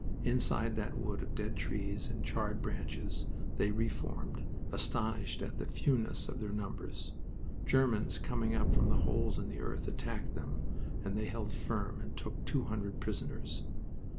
Inside that wood of dead trees and charred branches they reformed, astonished at the fewness of their numbers. Germans coming up from holes in the earth attacked them, and they held firm and took two hundred prisoners.